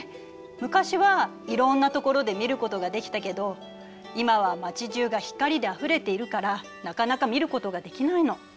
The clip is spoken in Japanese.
昔はいろんなところで見ることができたけど今は街じゅうが光であふれているからなかなか見ることができないの。